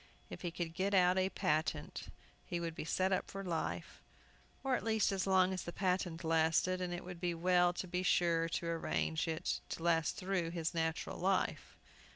If he could get out a patent he would be set up for life, or at least as long as the patent lasted, and it would be well to be sure to arrange it to last through his natural life.